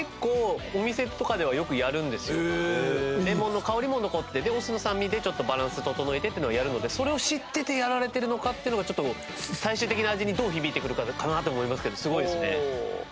レモンの香りも残ってお酢の酸味でバランス整えてっていうのをやるのでそれを知っててやられてるのかっていうのがちょっと最終的な味にどう響いてくるかかなって思いますけどすごいですね。